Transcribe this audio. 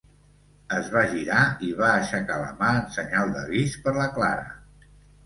Es va girar i va aixecar la mà en senyal d'avís per la Clara.